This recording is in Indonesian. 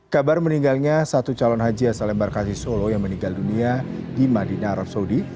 kabar meninggalnya satu calon haji asal embarkasi solo yang meninggal dunia di madinah arab saudi